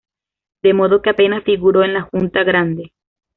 De modo que apenas figuró en la Junta Grande.